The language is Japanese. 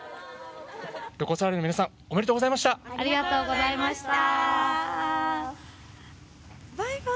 ロコ・ソラーレの皆さんおめでとうございました。